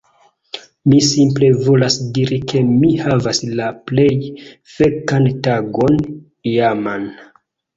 Mi simple volas diri ke mi havas la plej fekan tagon iaman.